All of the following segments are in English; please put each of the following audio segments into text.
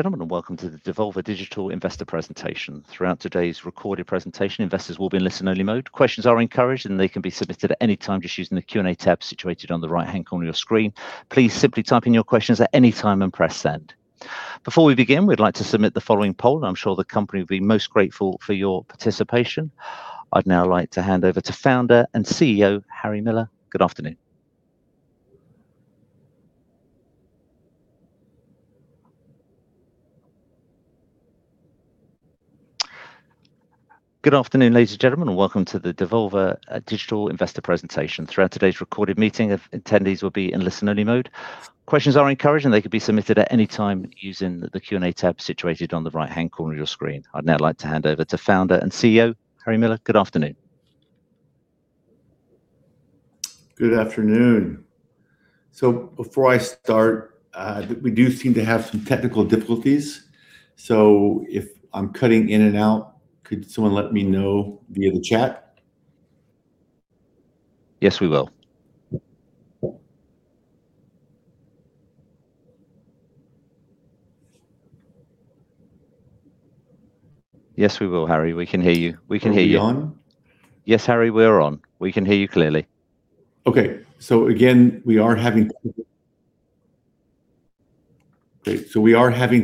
Gentlemen, and welcome to the Devolver Digital investor presentation. Throughout today's recorded presentation, investors will be in listen-only mode. Questions are encouraged, and they can be submitted at any time just using the Q&A tab situated on the right-hand corner of your screen. Please simply type in your questions at any time and press send. Before we begin, we'd like to submit the following poll. I'm sure the company will be most grateful for your participation. I'd now like to hand over to Founder and CEO Harry Miller. Good afternoon. Good afternoon. Before I start, we do seem to have some technical difficulties, so if I'm cutting in and out, could someone let me know via the chat? Yes, we will. Yes, we will, Harry. We can hear you, we can hear you. Are we on? Yes, Harry, we're on. We can hear you clearly. Okay. Again, we are having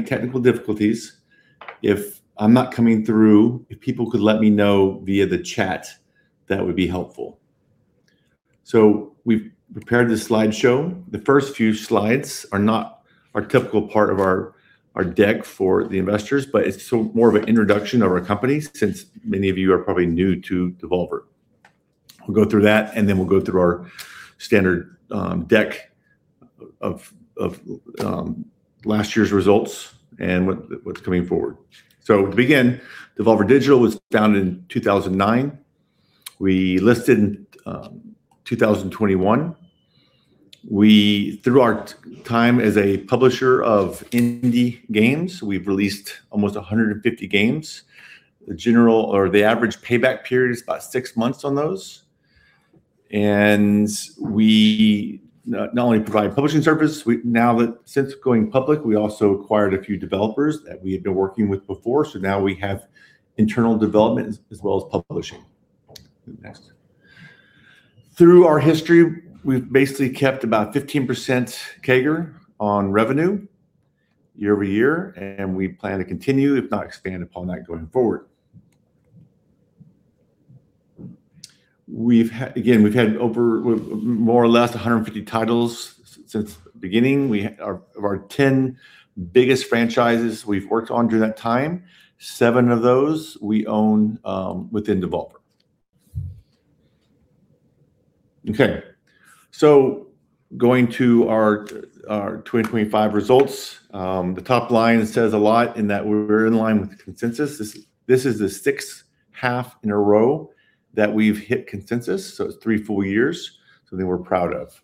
technical difficulties. If I'm not coming through, if people could let me know via the chat, that would be helpful. We've prepared this slideshow. The first few slides are not our typical part of our deck for the investors, but it's more of an introduction of our company since many of you are probably new to Devolver. We'll go through that, and then we'll go through our standard deck of last year's results and what's coming forward. To begin, Devolver Digital was founded in 2009. We listed in 2021. Through our time as a publisher of indie games, we've released almost 150 games. The average payback period is about six months on those. We not only provide publishing services. Now since going public, we also acquired a few developers that we had been working with before. Now we have internal development as well as publishing. Next. Through our history, we've basically kept about 15% CAGR on revenue year-over-year, and we plan to continue, if not expand upon that going forward. Again, we've had more or less 150 titles since the beginning. Of our 10 biggest franchises we've worked on during that time, seven of those we own within Devolver. Okay. Going to our 2025 results. The top line says a lot in that we're in line with the consensus. This is the sixth half in a row that we've hit consensus, so three full years. Something we're proud of.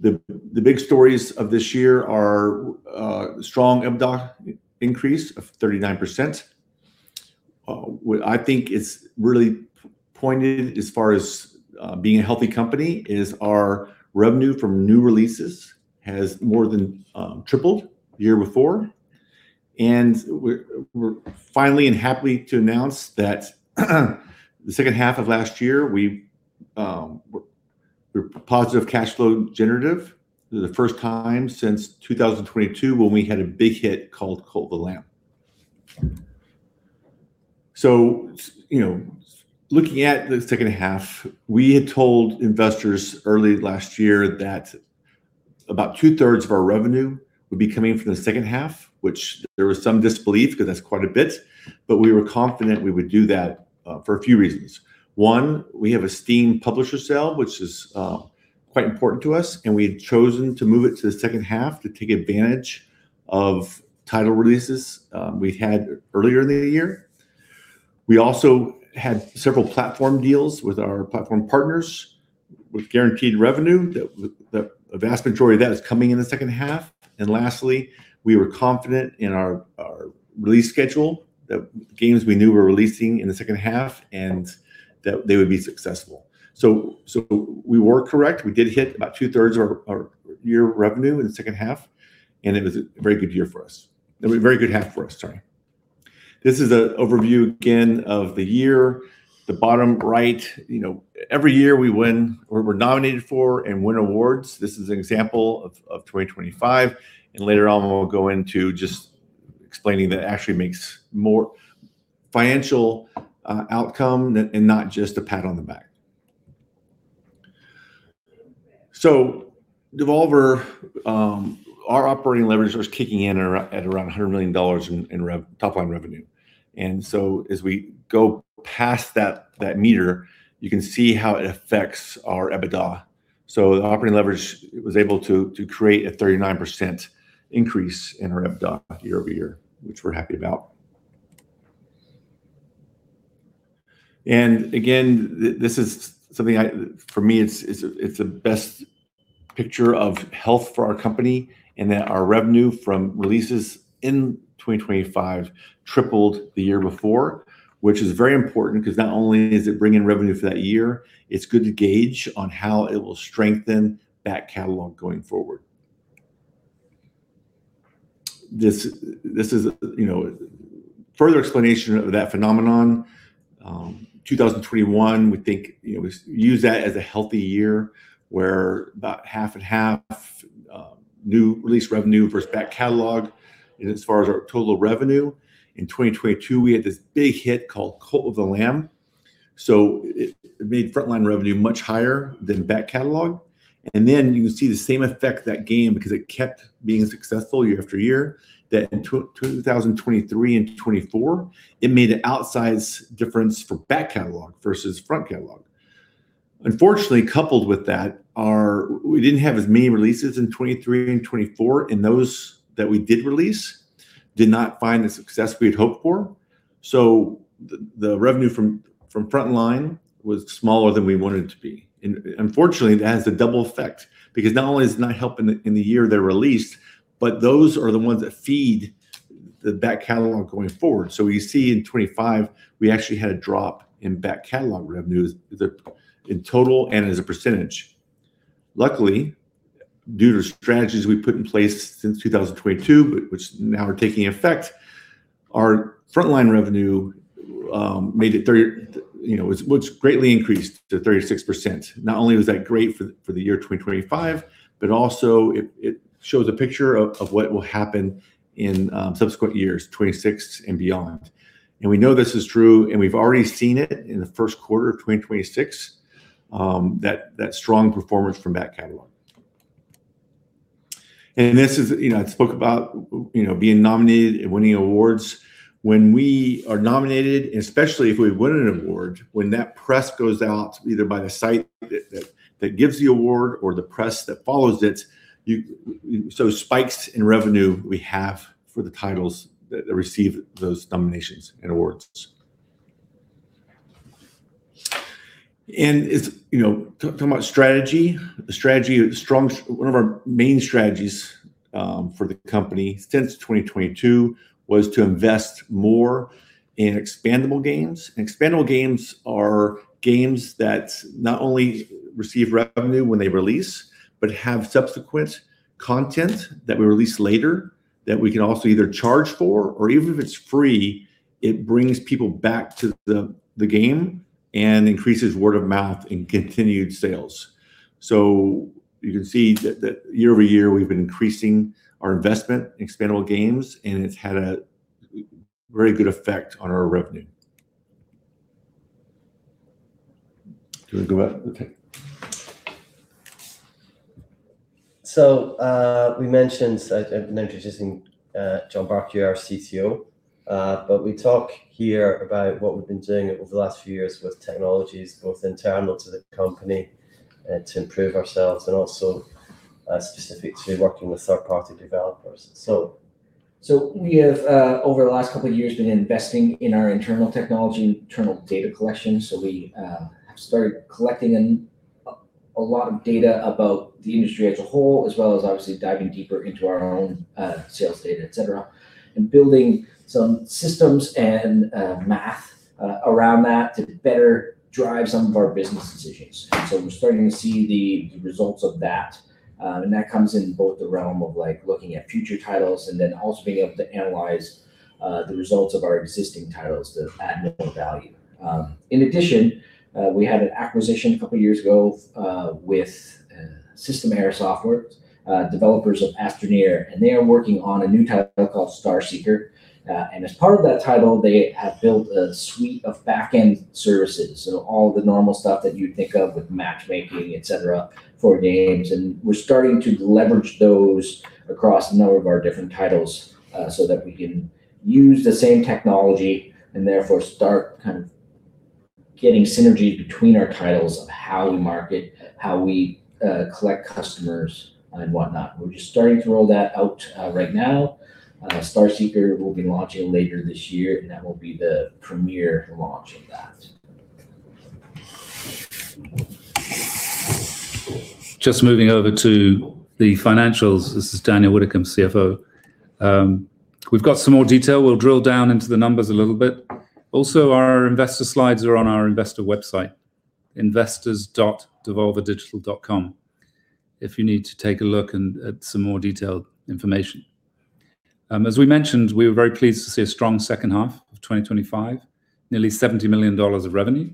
The big stories of this year are a strong EBITDA increase of 39%. What I think is really pointed as far as being a healthy company is our revenue from new releases has more than tripled the year before. We're finally and happily to announce that the second half of last year, we were positive cash flow generative for the first time since 2022, when we had a big hit called Cult of the Lamb. Looking at the second half, we had told investors early last year that about 2/3 of our revenue would be coming from the second half, which there was some disbelief because that's quite a bit. We were confident we would do that for a few reasons. One, we have a Steam publisher sale, which is quite important to us, and we had chosen to move it to the second half to take advantage of title releases we'd had earlier in the year. We also had several platform deals with our platform partners with guaranteed revenue. The vast majority of that is coming in the second half. Lastly, we were confident in our release schedule, the games we knew we were releasing in the second half, and that they would be successful. We were correct. We did hit about 2/3 of our year revenue in the second half, and it was a very good half for us. This is an overview again of the year. The bottom right, every year we win or we're nominated for and win awards. This is an example of 2025, and later on we'll go into just explaining that it actually makes more financial outcome and not just a pat on the back. Devolver, our operating leverage was kicking in at around $100 million in top line revenue. As we go past that meter, you can see how it affects our EBITDA. Operating leverage was able to create a 39% increase in our EBITDA year-over-year, which we're happy about. Again, this is something for me, it's the best picture of health for our company in that our revenue from releases in 2025 tripled the year before, which is very important because not only is it bringing revenue for that year, it's good to gauge on how it will strengthen that catalog going forward. This is a further explanation of that phenomenon. 2021, we use that as a healthy year where about 50/50 new release revenue versus back catalog as far as our total revenue. In 2022, we had this big hit called Cult of the Lamb, so it made frontline revenue much higher than back catalog. You can see the same effect, that game, because it kept being successful year-after-year, that in 2023 and 2024, it made an outsized difference for back catalog versus front catalog. Unfortunately, coupled with that, we didn't have as many releases in 2023 and 2024, and those that we did release did not find the success we had hoped for. The revenue from frontline was smaller than we wanted it to be. Unfortunately, it has a double effect because not only is it not helping in the year they're released, but those are the ones that feed the back catalog going forward. You see in 2025, we actually had a drop in back catalog revenue in total and as a percentage. Luckily, due to strategies we put in place since 2022, which now are taking effect, our frontline revenue, which greatly increased to 36%. Not only was that great for the year 2025, but also it shows a picture of what will happen in subsequent years, 2026 and beyond. We know this is true, and we've already seen it in the first quarter of 2026, that strong performance from back catalog. I spoke about being nominated and winning awards. When we are nominated, and especially if we win an award, when that press goes out, either by the site that gives the award or the press that follows it, so spikes in revenue we have for the titles that receive those nominations and awards. Talking about strategy, one of our main strategies for the company since 2022 was to invest more in expandable games. Expandable games are games that not only receive revenue when they release, but have subsequent content that we release later that we can also either charge for, or even if it's free, it brings people back to the game and increases word of mouth and continued sales. You can see that year-over-year, we've been increasing our investment in expandable games, and it's had a very good effect on our revenue. Do you want to go up? Okay. We mention, I've been introducing John Bartkiw, our CTO, but we talk here about what we've been doing over the last few years with technologies, both internal to the company to improve ourselves and also specific to working with third-party developers. We have, over the last couple of years, been investing in our internal technology, internal data collection. We have started collecting a lot of data about the industry as a whole, as well as obviously diving deeper into our own sales data, et cetera, and building some systems and math around that to better drive some of our business decisions. We're starting to see the results of that. That comes in both the realm of looking at future titles and then also being able to analyze the results of our existing titles to add more value. In addition, we had an acquisition a couple of years ago with System Era Softworks, developers of Astroneer, and they are working on a new title called STARSEEKER. As part of that title, they have built a suite of back-end services, so all the normal stuff that you'd think of with matchmaking, et cetera, for games. We're starting to leverage those across a number of our different titles so that we can use the same technology and therefore start kind of getting synergy between our titles of how we market, how we collect customers and whatnot. We're just starting to roll that out right now. STARSEEKER will be launching later this year, and that will be the premier launch of that. Just moving over to the financials. This is Daniel Widdicombe, CFO. We've got some more detail. We'll drill down into the numbers a little bit. Also, our investor slides are on our investor website, investors.devolverdigital.com, if you need to take a look at some more detailed information. As we mentioned, we were very pleased to see a strong second half of 2025, nearly $70 million of revenue.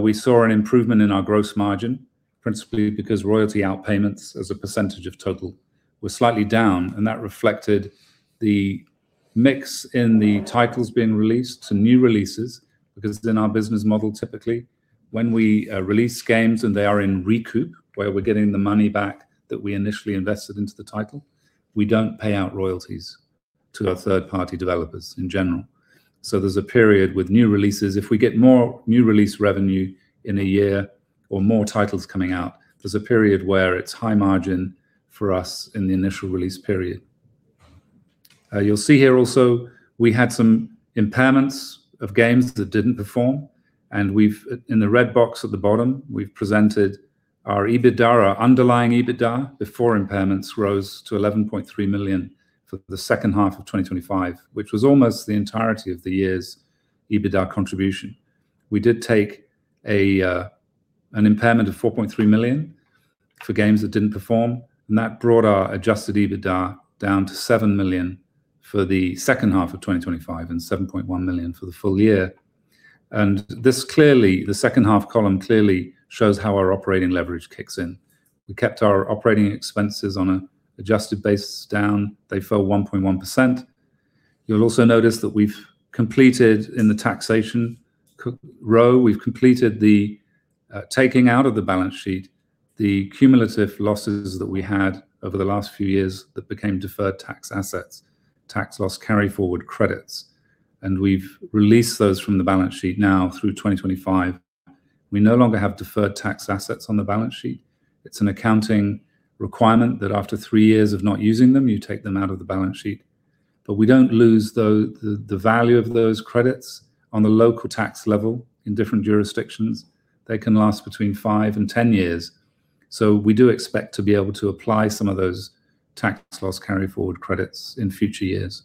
We saw an improvement in our gross margin, principally because royalty outpayments as a % of total were slightly down, and that reflected the mix in the titles being released to new releases, because in our business model, typically when we release games and they are in recoup, where we're getting the money back that we initially invested into the title, we don't pay out royalties to our third-party developers in general. There's a period with new releases, if we get more new release revenue in a year or more titles coming out, there's a period where it's high margin for us in the initial release period. You'll see here also, we had some impairments of games that didn't perform, and in the red box at the bottom, we've presented our EBITDA. Our underlying EBITDA before impairments rose to $11.3 million for the second half of 2025, which was almost the entirety of the year's EBITDA contribution. An impairment of $4.3 million for games that didn't perform, and that brought our adjusted EBITDA down to $7 million for the second half of 2025 and $7.1 million for the full year. The second half column clearly shows how our operating leverage kicks in. We kept our operating expenses on an adjusted basis down. They fell 1.1%. You'll also notice that we've completed in the taxation row, we've completed the taking out of the balance sheet the cumulative losses that we had over the last few years that became deferred tax assets, tax loss carryforward credits, and we've released those from the balance sheet now through 2025. We no longer have deferred tax assets on the balance sheet. It's an accounting requirement that after three years of not using them, you take them out of the balance sheet. We don't lose the value of those credits on the local tax level in different jurisdictions. They can last between five and 10 years, so we do expect to be able to apply some of those tax loss carryforward credits in future years.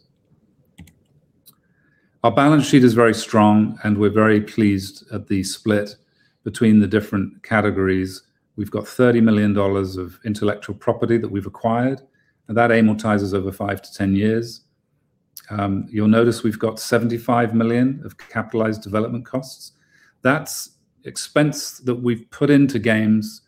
Our balance sheet is very strong, and we're very pleased at the split between the different categories. We've got $30 million of intellectual property that we've acquired, and that amortizes over five to 10 years. You'll notice we've got $75 million of capitalized development costs. That's expense that we've put into games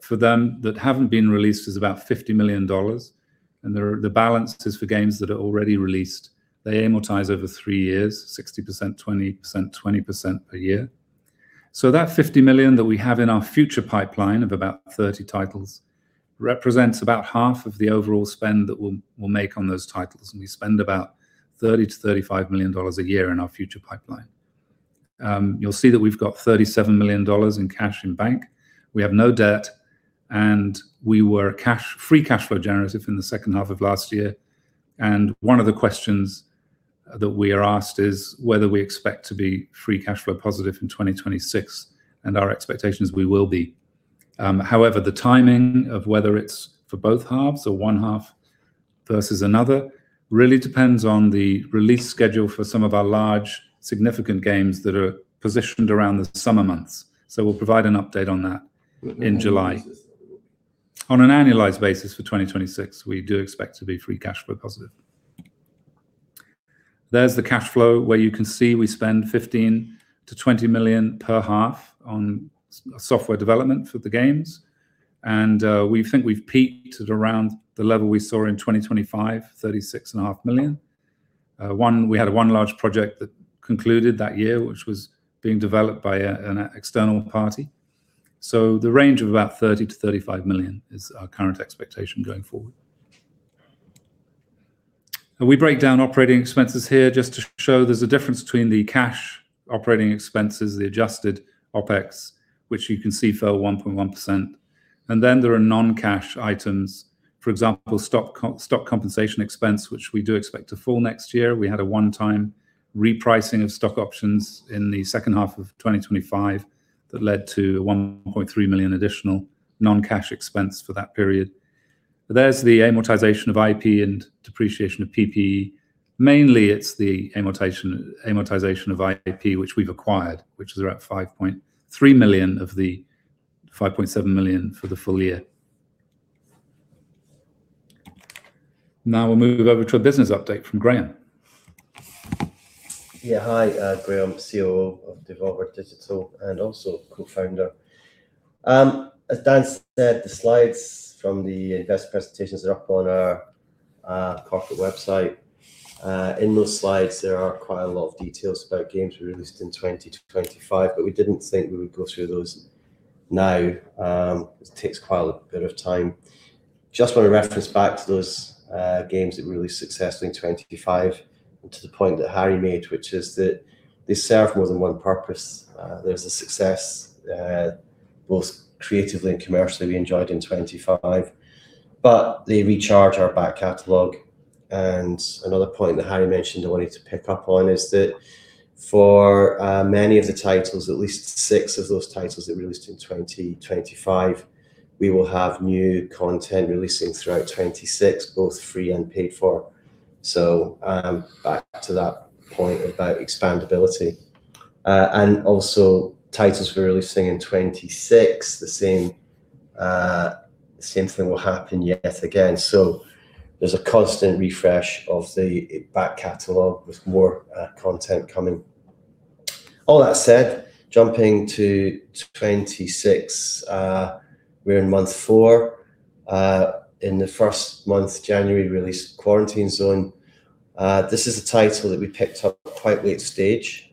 for them that haven't been released is about $50 million. The balance is for games that are already released. They amortize over three years, 60%, 20%, 20% per year. That $50 million that we have in our future pipeline of about 30 titles represents about half of the overall spend that we'll make on those titles, and we spend about $30 million-$35 million a year in our future pipeline. You'll see that we've got $37 million in cash in bank. We have no debt, and we were free cash flow generative in the second half of last year. One of the questions that we are asked is whether we expect to be free cash flow positive in 2026, and our expectation is we will be. However, the timing of whether it's for both halves or one half versus another really depends on the release schedule for some of our large significant games that are positioned around the summer months. We'll provide an update on that in July. On an annualized basis for 2026, we do expect to be free cash flow positive. There's the cash flow where you can see we spend $15 million-$20 million per half on software development for the games. We think we've peaked at around the level we saw in 2025, $36.5 million. We had one large project that concluded that year, which was being developed by an external party. The range of about $30 million-$35 million is our current expectation going forward. We break down operating expenses here just to show there's a difference between the cash operating expenses, the adjusted OPEX, which you can see fell 1.1%. There are non-cash items, for example, stock compensation expense, which we do expect to fall next year. We had a one-time repricing of stock options in the second half of 2025 that led to $1.3 million additional non-cash expense for that period. There's the amortization of IP and depreciation of PPE. Mainly it's the amortization of IP, which we've acquired, which is about $5.3 million of the $5.7 million for the full year. Now we'll move over to a business update from Graeme. Yeah. Hi, Graeme, COO of Devolver Digital, and also Co-Founder. As Dan said, the slides from the investor presentations are up on our corporate website. In those slides, there are quite a lot of details about games we released in 2025, but we didn't think we would go through those now, as it takes quite a bit of time. I just want to reference back to those games that were really successful in 2025, and to the point that Harry made, which is that they serve more than one purpose. There's a success, both creatively and commercially we enjoyed in 2025, but they recharge our back catalog. Another point that Harry mentioned I wanted to pick up on is that for many of the titles, at least six of those titles that we released in 2025, we will have new content releasing throughout 2026, both free and paid for. Back to that point about expandability. Also titles we're releasing in 2026, the same thing will happen yet again. There's a constant refresh of the back catalog with more content coming. All that said, jumping to 2026, we're in month four. In the first month, January, we released Quarantine Zone. This is a title that we picked up quite late stage.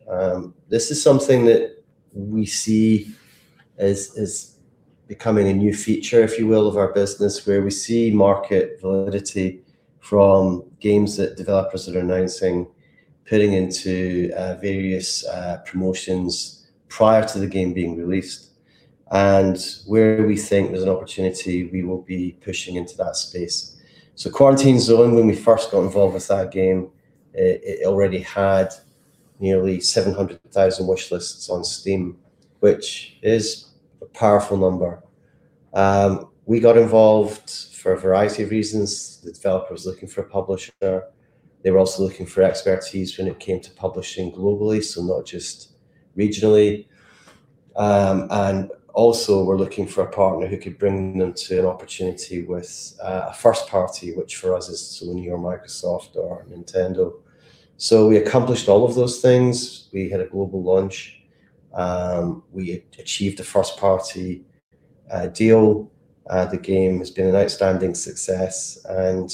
This is something that we see as becoming a new feature, if you will, of our business where we see market validity from games that developers are announcing putting into various promotions prior to the game being released. Where we think there's an opportunity, we will be pushing into that space. Quarantine Zone, when we first got involved with that game, it already had nearly 700,000 wishlists on Steam, which is a powerful number. We got involved for a variety of reasons. The developer was looking for a publisher. They were also looking for expertise when it came to publishing globally, so not just regionally, and also were looking for a partner who could bring them to an opportunity with a first party, which for us is Sony or Microsoft or Nintendo. We accomplished all of those things. We had a global launch. We achieved a first-party deal. The game has been an outstanding success and,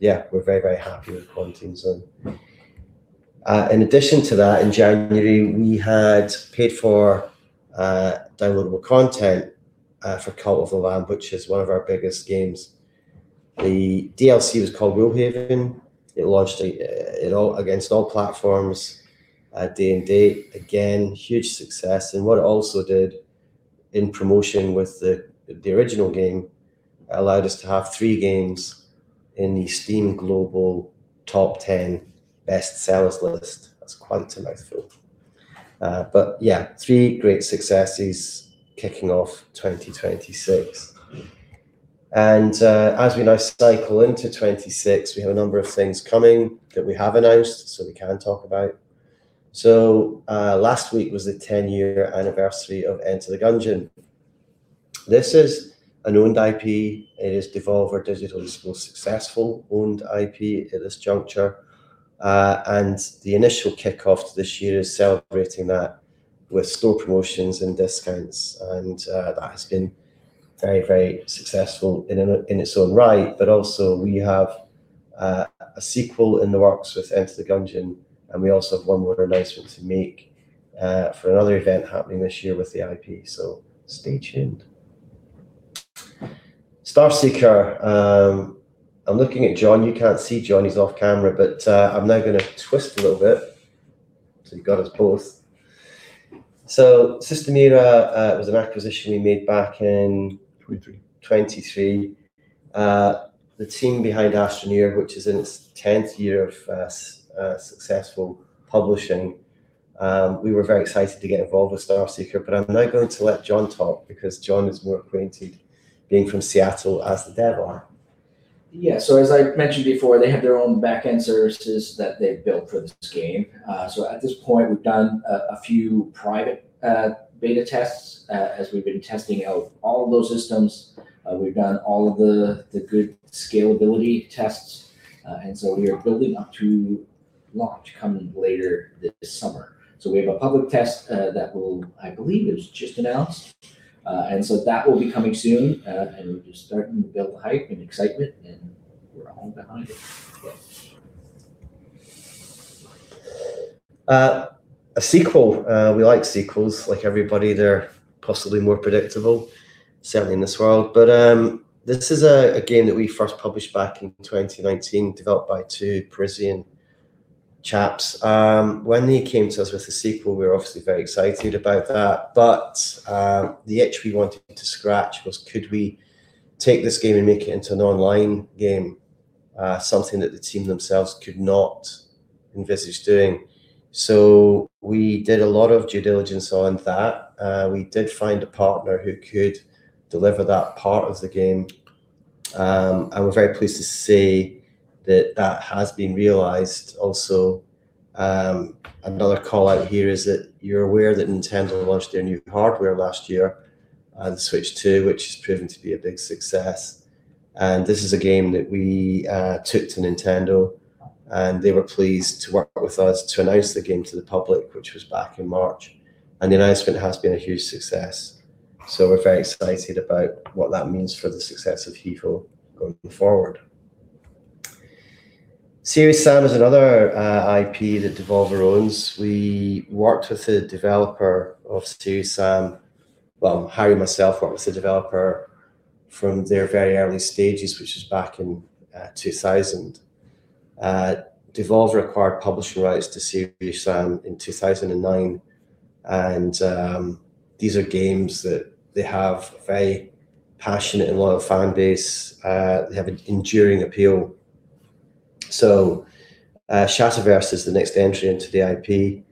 yeah, we're very, very happy with Quarantine Zone: The Last Check. In addition to that, in January, we had paid-for downloadable content for Cult of the Lamb, which is one of our biggest games. The DLC was called Woolhaven. It launched against all platforms at day and date. Again, huge success. What it also did in promotion with the original game allowed us to have three games in the Steam global top 10 best-sellers list. That's quite a mouthful. But yeah, three great successes kicking off 2026. And as we now cycle into 2026, we have a number of things coming that we have announced, so we can talk about. So, last week was the 10-year anniversary of "Enter the Gungeon." This is an owned IP. It is Devolver Digital's most successful owned IP at this juncture. And the initial kickoff to this year is celebrating that with store promotions and discounts, and that has been very, very successful in its own right. But also we have a sequel in the works with "Enter the Gungeon," and we also have one more announcement to make for another event happening this year with the IP, so stay tuned. STARSEEKER, I'm looking at John. You can't see John, he's off camera, but I'm now going to twist a little bit, so you've got us both. So System Era was an acquisition we made back in- 2023 2023. The team behind Astroneer, which is in its 10th year of successful publishing. We were very excited to get involved with STARSEEKER, but I'm now going to let John talk because John is more acquainted, being from Seattle, as the devs are. Yeah. As I mentioned before, they have their own backend services that they've built for this game. At this point, we've done a few private beta tests, as we've been testing out all of those systems. We've done all of the good scalability tests. We are building up to launch coming later this summer. We have a public test, I believe, it was just announced. That will be coming soon, and we're just starting to build the hype and excitement, and we're all behind it. A sequel, we like sequels. Like everybody, they're possibly more predictable, certainly in this world. This is a game that we first published back in 2019, developed by two Parisian chaps. When they came to us with the sequel, we were obviously very excited about that, but the itch we wanted to scratch was could we take this game and make it into an online game, something that the team themselves could not envisage doing. We did a lot of due diligence on that. We did find a partner who could deliver that part of the game, and we're very pleased to say that that has been realized also. Another call-out here is that you're aware that Nintendo launched their new hardware last year, the Switch 2, which has proven to be a big success. This is a game that we took to Nintendo, and they were pleased to work with us to announce the game to the public, which was back in March, and the announcement has been a huge success. We're very excited about what that means for the success of Hephaestus going forward. Serious Sam is another IP that Devolver owns. We worked with the developer of Serious Sam. Well, Harry and myself worked with the developer from their very early stages, which was back in 2000. Devolver acquired publishing rights to Serious Sam in 2009, and these are games that they have a very passionate and loyal fan base. They have an enduring appeal. Shatterverse is the next entry into the IP.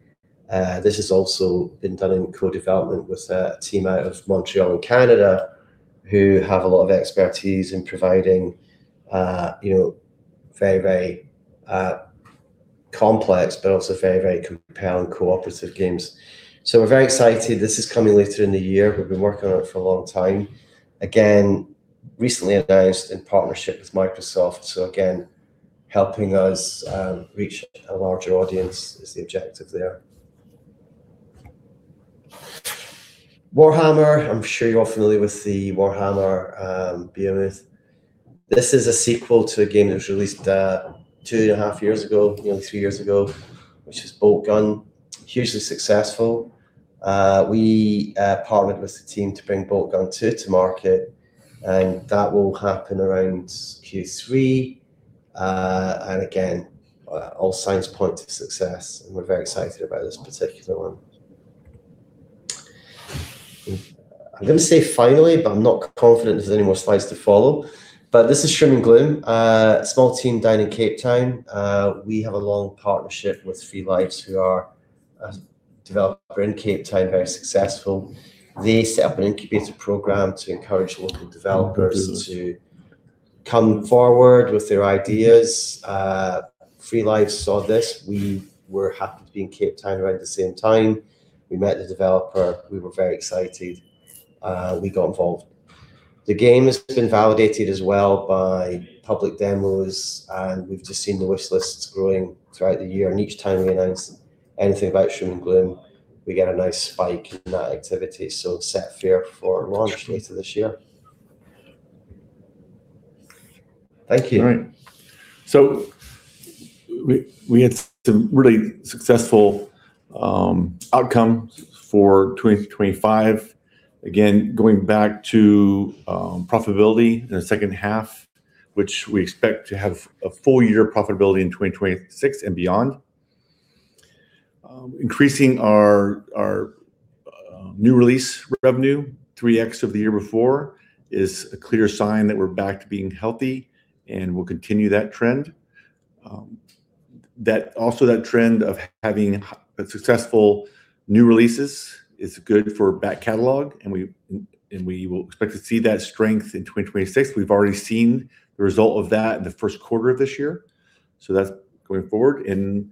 This has also been done in co-development with a team out of Montreal in Canada, who have a lot of expertise in providing very complex but also very compelling cooperative games. We're very excited. This is coming later in the year. We've been working on it for a long time. Again, recently announced in partnership with Microsoft, so again, helping us reach a larger audience is the objective there. Warhammer, I'm sure you're all familiar with the Warhammer behemoth. This is a sequel to a game that was released two and a half years ago, nearly three years ago, which is Boltgun, hugely successful. We partnered with the team to bring Boltgun 2 to market, and that will happen around Q3. Again, all signs point to success, and we're very excited about this particular one. I'm going to say finally, but I'm not confident there's any more slides to follow. This is Shroom and Gloom, a small team down in Cape Town. We have a long partnership with Free Lives, who are a developer in Cape Town, very successful. They set up an incubator program to encourage local developers to come forward with their ideas. Free Lives saw this. We were happy to be in Cape Town around the same time. We met the developer. We were very excited. We got involved. The game has been validated as well by public demos, and we've just seen the wishlists growing throughout the year. Each time we announce anything about Shroom and Gloom, we get a nice spike in that activity, so set fair for launch later this year. Thank you. All right. We had some really successful outcomes for 2025. Again, going back to profitability in the second half, which we expect to have a full-year profitability in 2026 and beyond. Increasing our new release revenue 3x of the year before is a clear sign that we're back to being healthy, and we'll continue that trend. Also, that trend of having successful new releases is good for back catalog, and we will expect to see that strength in 2026. We've already seen the result of that in the first quarter of this year, so that's going forward, and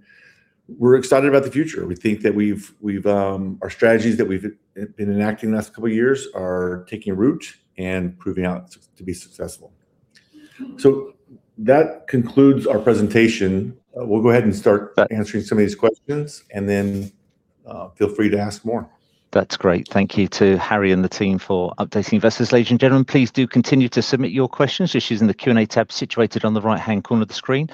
we're excited about the future. We think that our strategies that we've been enacting the last couple of years are taking root and proving out to be successful. That concludes our presentation. We'll go ahead and start answering some of these questions, and then feel free to ask more. That's great. Thank you to Harry and the team for updating investors. Ladies and gentlemen, please do continue to submit your questions using the Q&A tab situated on the right-hand corner of the screen.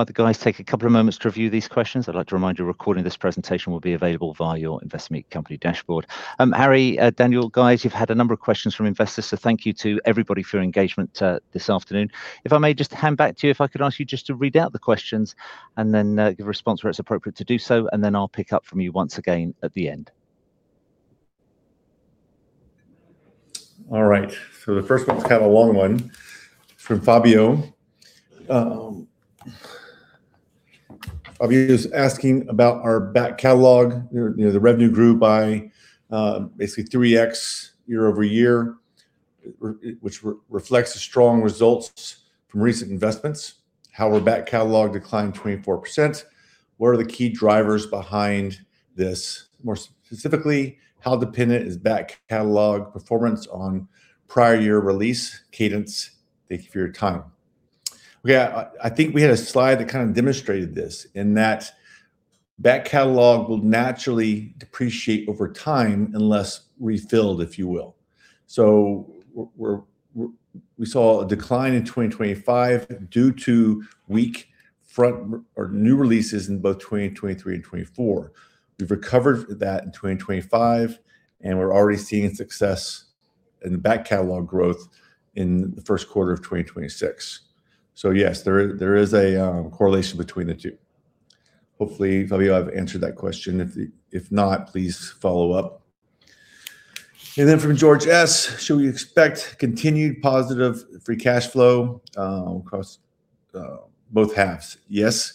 While the guys take a couple of moments to review these questions, I'd like to remind you, a recording of this presentation will be available via your Investor Meet Company dashboard. Harry, Daniel, guys, you've had a number of questions from investors. Thank you to everybody for your engagement this afternoon. If I may just hand back to you, if I could ask you just to read out the questions and then give a response where it's appropriate to do so. I'll pick up from you once again at the end. All right. The first one's kind of a long one from Fabio. Fabio is asking about our back catalog. The revenue grew by basically 3x year-over-year, which reflects the strong results from recent investments. However, back catalog declined 24%. What are the key drivers behind this? More specifically, how dependent is back catalog performance on prior year release cadence? Thank you for your time. Okay. I think we had a slide that kind of demonstrated this, in that back catalog will naturally depreciate over time unless refilled, if you will. We saw a decline in 2025 due to weak new releases in both 2023 and 2024. We've recovered that in 2025, and we're already seeing success in back catalog growth in the first quarter of 2026. Yes, there is a correlation between the two. Hopefully, Fabio, I've answered that question. If not, please follow up. From George S., "Should we expect continued positive free cash flow across both halves?" Yes.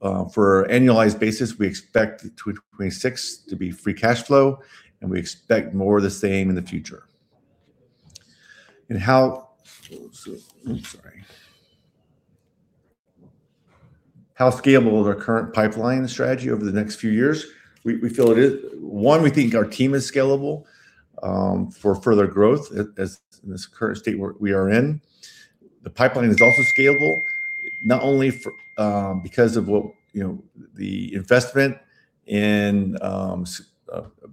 For annualized basis, we expect 2026 to be free cash flow, and we expect more of the same in the future. How scalable is our current pipeline strategy over the next few years? We feel it, one, we think our team is scalable for further growth in this current state we are in. The pipeline is also scalable, not only because of the investment in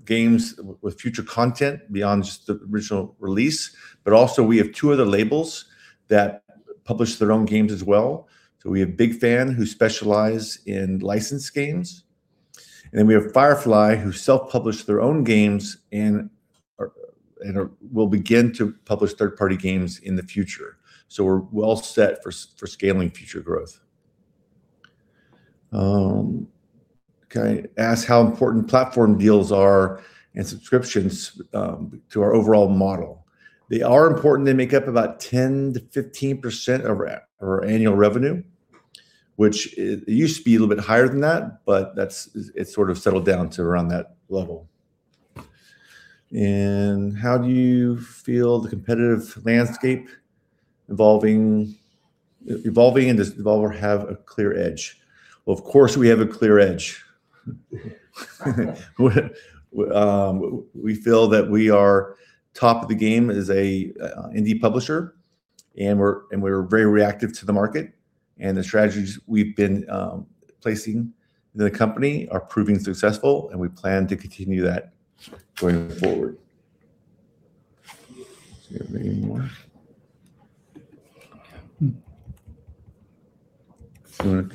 games with future content beyond just the original release, but also we have two other labels that publish their own games as well. We have Big Fan, who specialize in licensed games, and then we have Firefly, who self-publish their own games and will begin to publish third-party games in the future. We're well set for scaling future growth. Okay. Asks how important platform deals are and subscriptions to our overall model. They are important. They make up about 10%-15% of our annual revenue, which it used to be a little bit higher than that, but it's sort of settled down to around that level. How do you feel the competitive landscape evolving, and does Devolver have a clear edge? Well, of course we have a clear edge. We feel that we are top of the game as an indie publisher, and we're very reactive to the market, and the strategies we've been placing in the company are proving successful, and we plan to continue that going forward. Do we have any more? Yeah. All right.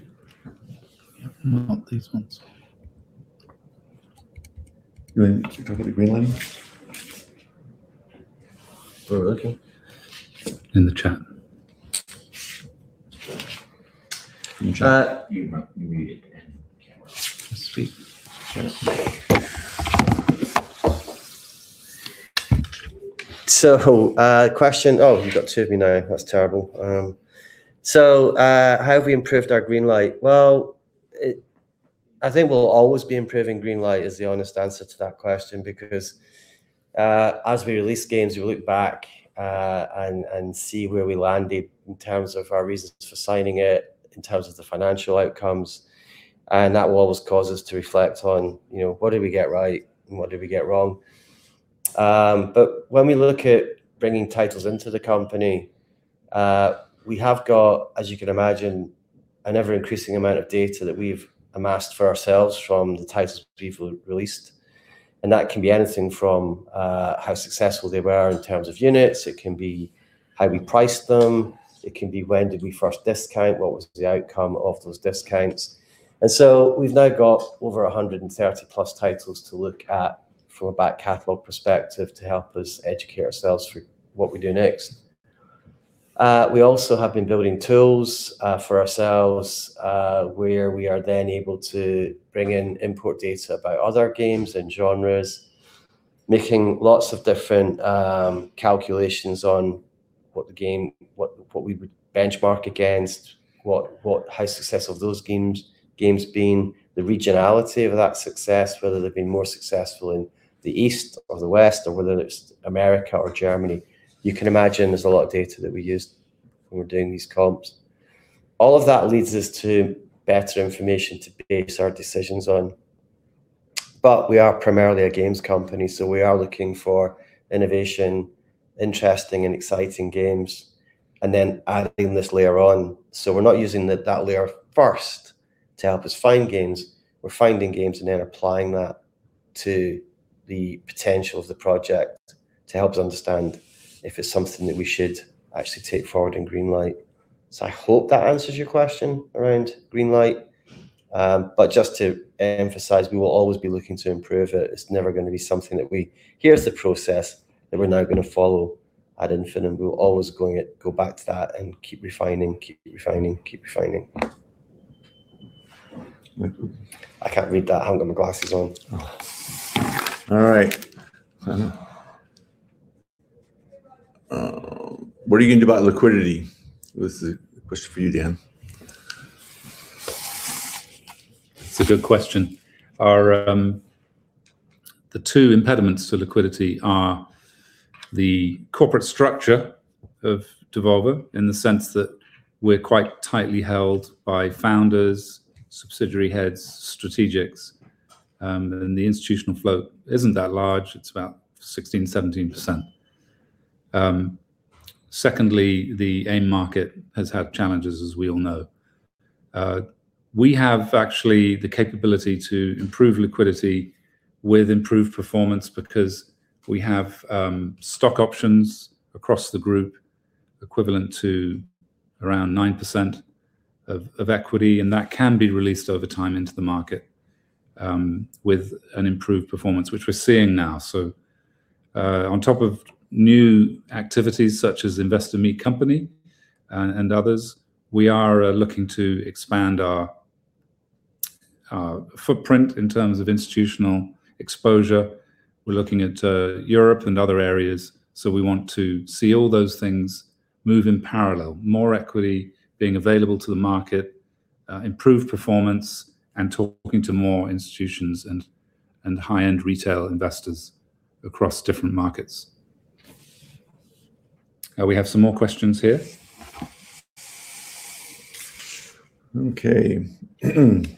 Not these ones. You want me to cover the green line? We're okay. In the chat. In chat. You. Question. Oh, you've got two of me now. That's terrible. How have we improved our green light? Well, I think we'll always be improving green light is the honest answer to that question because as we release games, we look back and see where we landed in terms of our reasons for signing it, in terms of the financial outcomes, and that will always cause us to reflect on what did we get right and what did we get wrong. When we look at bringing titles into the company, we have got, as you can imagine, an ever-increasing amount of data that we've amassed for ourselves from the titles we've released. That can be anything from how successful they were in terms of units. It can be how we priced them. It can be when did we first discount? What was the outcome of those discounts? We've now got over 130+ titles to look at from a back catalog perspective to help us educate ourselves through what we do next. We also have been building tools for ourselves, where we are then able to import data about other games and genres, making lots of different calculations on what we would benchmark against, how successful those games been, the regionality of that success, whether they've been more successful in the East or the West, or whether it's America or Germany. You can imagine there's a lot of data that we use when we're doing these comps. All of that leads us to better information to base our decisions on. We are primarily a games company, so we are looking for innovation, interesting and exciting games, and then adding this layer on. We're not using that layer first to help us find games. We're finding games and then applying that to the potential of the project to help us understand if it's something that we should actually take forward in greenlight. I hope that answers your question around greenlight. Just to emphasize, we will always be looking to improve it. It's never going to be something, "Here's the process that we're now going to follow ad infinitum." We're always going to go back to that and keep refining. I can't read that. I haven't got my glasses on. All right. What are you going to do about liquidity? This is a question for you, Dan. It's a good question. The two impediments to liquidity are the corporate structure of Devolver in the sense that we're quite tightly held by founders, subsidiary heads, strategics, and the institutional float isn't that large. It's about 16%-17%. Secondly, the AIM market has had challenges, as we all know. We have actually the capability to improve liquidity with improved performance because we have stock options across the group equivalent to around 9% of equity, and that can be released over time into the market with an improved performance, which we're seeing now. On top of new activities such as Investor Meet Company and others, we are looking to expand our footprint in terms of institutional exposure. We're looking at Europe and other areas. We want to see all those things move in parallel, more equity being available to the market, improved performance, and talking to more institutions and high-end retail investors across different markets. We have some more questions here. Okay. "Good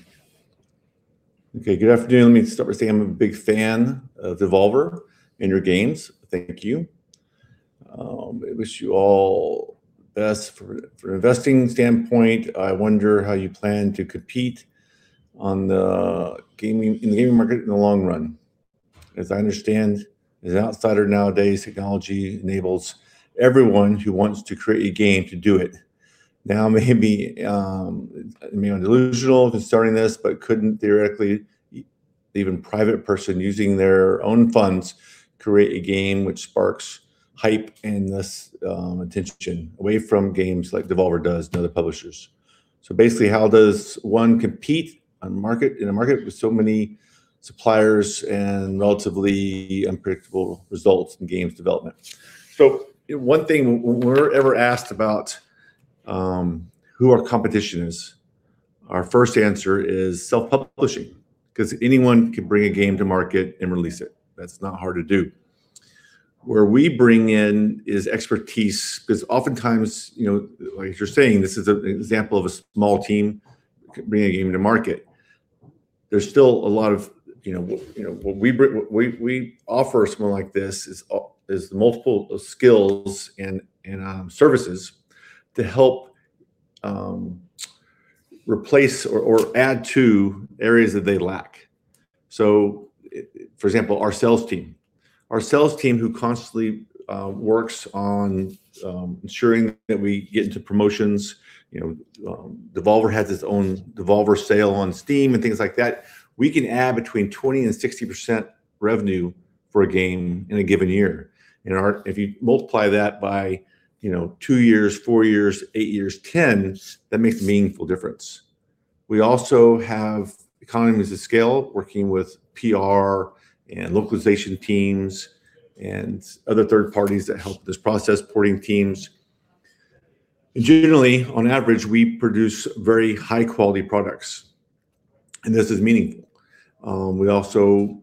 afternoon. Let me start by saying I'm a big fan of Devolver and your games." Thank you. "I wish you all the best. From an investing standpoint, I wonder how you plan to compete in the gaming market in the long run. As I understand, as an outsider nowadays, technology enables everyone who wants to create a game to do it. Now I may be delusional for starting this, but couldn't theoretically even private person using their own funds create a game which sparks hype and thus attention away from games like Devolver does and other publishers? Basically, how does one compete in a market with so many suppliers and relatively unpredictable results in games development?" One thing we're ever asked about who our competition is, our first answer is self-publishing, because anyone can bring a game to market and release it. That's not hard to do. Where we bring in is expertise, because oftentimes, like as you're saying, this is an example of a small team bringing a game to market. What we offer someone like this is multiple skills and services to help replace or add to areas that they lack. For example, our sales team, who constantly works on ensuring that we get into promotions, Devolver has its own Devolver sale on Steam and things like that, we can add between 20% and 60% revenue for a game in a given year. If you multiply that by two years, four years, eight years, 10, that makes a meaningful difference. We also have economies of scale working with PR and localization teams and other third parties that help this process, porting teams. Generally, on average, we produce very high-quality products, and this is meaningful. We also,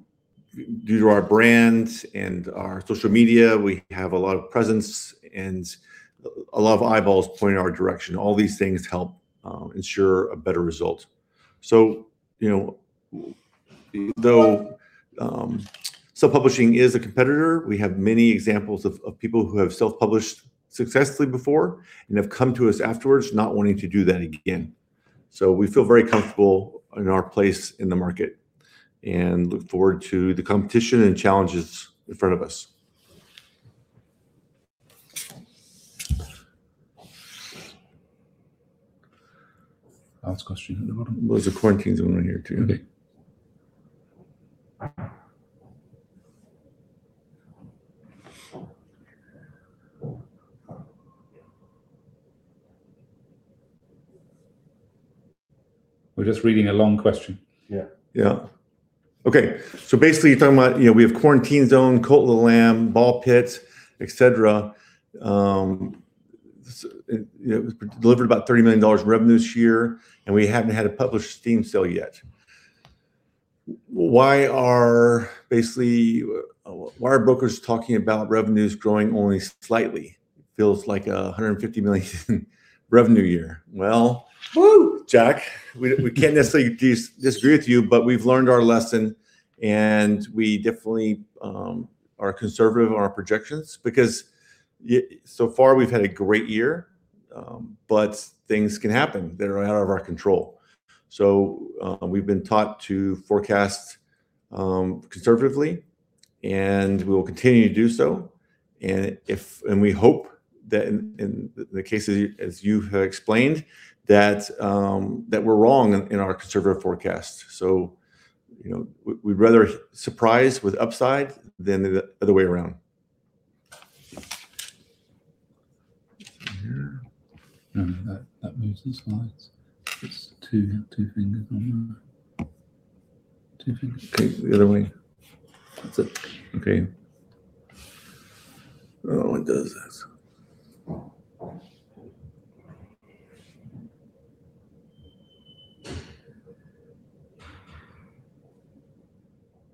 due to our brand and our social media, we have a lot of presence and a lot of eyeballs pointing in our direction. All these things help ensure a better result. Though self-publishing is a competitor, we have many examples of people who have self-published successfully before and have come to us afterwards not wanting to do that again. We feel very comfortable in our place in the market and look forward to the competition and challenges in front of us. Last question at the bottom. There's a Quarantine Zone on here too. Okay. We're just reading a long question. Yeah. Yeah. Okay. Basically, you're talking about we have Quarantine Zone, Cult of the Lamb, BALL x PIT, et cetera. It delivered about $30 million revenue this year, and we haven't had a published Steam sale yet. Why are brokers talking about revenues growing only slightly? Feels like $150 million revenue year. Well, Jack, we can't necessarily disagree with you, but we've learned our lesson, and we definitely are conservative in our projections because so far we've had a great year, but things can happen that are out of our control. We've been taught to forecast conservatively, and we will continue to do so. We hope that in the cases as you have explained, that we're wrong in our conservative forecast. We'd rather surprise with upside than the other way around. Here. No, that moves the slides. It's two fingers on there. Two fingers. Okay, the other way. That's it. Okay. I don't know who does this.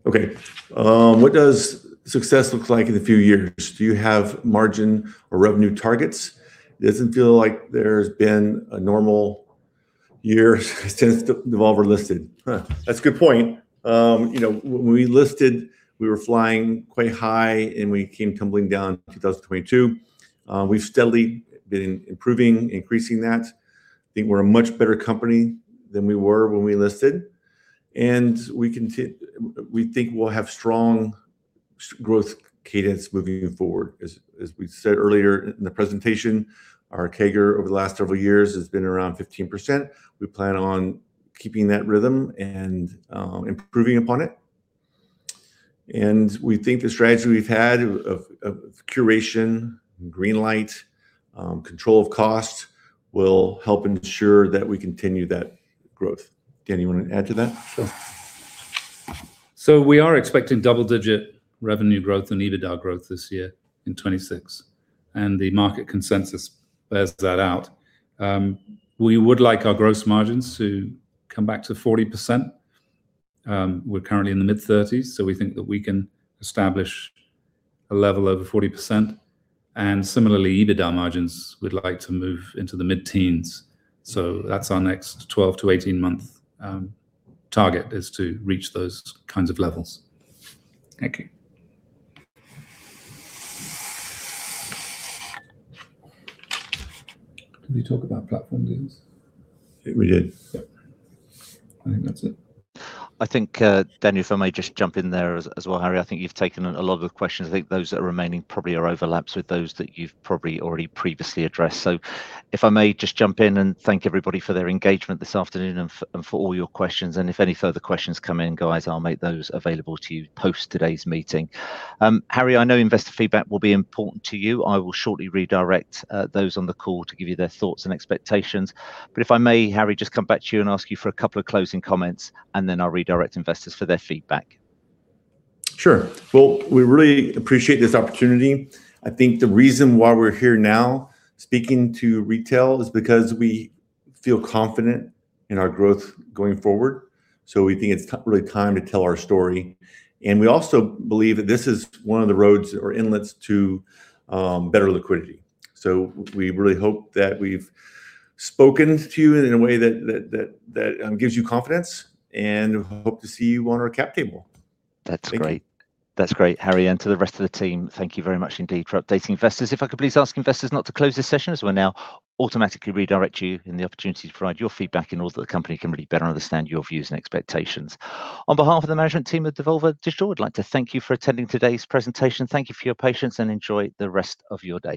Okay. What does success look like in a few years? Do you have margin or revenue targets? It doesn't feel like there's been a normal year since Devolver listed. That's a good point. When we listed, we were flying quite high, and we came tumbling down in 2022. We've steadily been improving, increasing that. I think we're a much better company than we were when we listed, and we think we'll have strong growth cadence moving forward. As we said earlier in the presentation, our CAGR over the last several years has been around 15%. We plan on keeping that rhythm and improving upon it, and we think the strategy we've had of curation, greenlight, control of cost will help ensure that we continue that growth. Dan, you want to add to that? Sure. We are expecting double-digit revenue growth and EBITDA growth this year in 2026. The market consensus bears that out. We would like our gross margins to come back to 40%. We're currently in the mid-30%, so we think that we can establish a level over 40%. Similarly, EBITDA margins, we'd like to move into the mid-teens. That's our next 12-18-month target, is to reach those kinds of levels. Thank you. Did we talk about platform deals? I think we did. I think that's it. I think, Dan, if I may just jump in there as well, Harry, I think you've taken a lot of the questions. I think those that are remaining probably are overlaps with those that you've probably already previously addressed. If I may just jump in and thank everybody for their engagement this afternoon and for all your questions, and if any further questions come in, guys, I'll make those available to you post today's meeting. Harry, I know investor feedback will be important to you. I will shortly redirect those on the call to give you their thoughts and expectations. If I may, Harry, just come back to you and ask you for a couple of closing comments, and then I'll redirect investors for their feedback. Sure. Well, we really appreciate this opportunity. I think the reason why we're here now speaking to retail is because we feel confident in our growth going forward. We think it's really time to tell our story, and we also believe that this is one of the roads or inlets to better liquidity. We really hope that we've spoken to you in a way that gives you confidence, and we hope to see you on our cap table. That's great. Thank you. That's great, Harry, and to the rest of the team, thank you very much indeed for updating investors. If I could please ask investors not to close this session, as we'll now automatically redirect you to the opportunity to provide your feedback in order that the company can really better understand your views and expectations. On behalf of the management team at Devolver Digital, we'd like to thank you for attending today's presentation. Thank you for your patience, and enjoy the rest of your day.